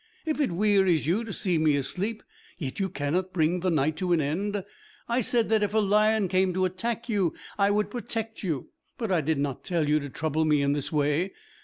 If it wearies you to see me asleep, yet you cannot bring the night to an end. I said that if a lion came to attack you, I would protect you; but I did not tell you to trouble me in this way.